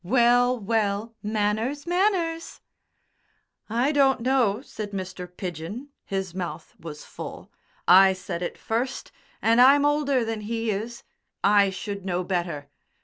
Well, well! Manners, manners!" "I don't know," said Mr. Pidgen (his mouth was full). "I said it first, and I'm older than he is. I should know better....